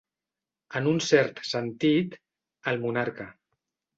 En un cert sentit, el monarca.